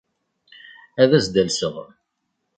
Ad as-d-alseɣ.